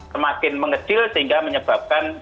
semakin mengecil sehingga menyebabkan